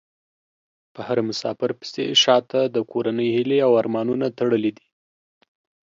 په هر مسافر پسې شا ته د کورنۍ هيلې او ارمانونه تړلي دي .